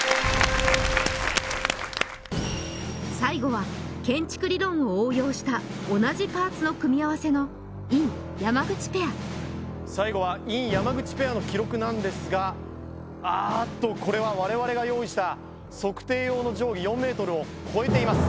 最後は建築理論を応用した同じパーツの組み合わせの尹・山口ペア最後は尹・山口ペアの記録なんですがあっとこれは我々が用意した測定用の定規４ｍを超えています